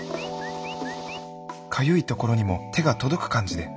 かゆいところにも手が届く感じで。